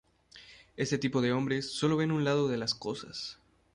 Este tipo de hombres solo ven un lado de las cosas.